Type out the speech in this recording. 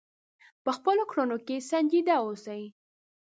په خپلو کړنو کې سنجیده اوسئ.